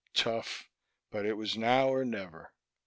Tough; but it was now or never....